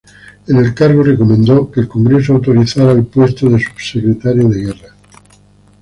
En el cargo, recomendó que el Congreso autorizara el puesto de subsecretario de Guerra.